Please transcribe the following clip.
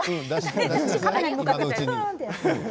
カメラに向かってね